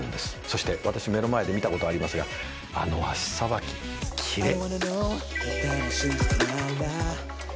そして私目の前で見たことありますがあの足さばきキレ。